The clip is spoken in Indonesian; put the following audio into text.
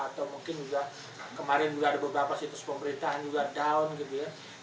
atau mungkin juga kemarin juga ada beberapa situs pemerintahan juga down gitu ya